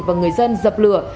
và người dân dập lửa